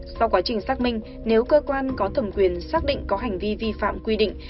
sau quá trình xác minh nếu cơ quan có thẩm quyền xác định có hành vi vi phạm quy định